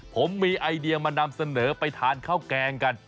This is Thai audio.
ผมมีไอเดียมานำเสนอไปทานข้าวแกงกัน